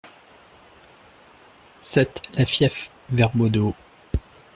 sept la Fieffe Verbot de Haut